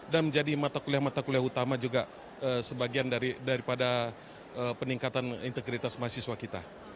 dan menjadi mata kuliah mata kuliah utama juga sebagian daripada peningkatan integritas mahasiswa kita